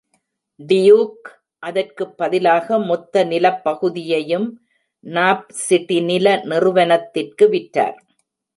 Duke அதற்கு பதிலாக, மொத்த நிலப்பகுதியையும் நாப் சிட்டி நில நிறுவனத்திற்கு விற்றார்.